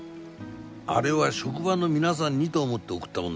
あれは職場の皆さんにと思って送ったもんだ。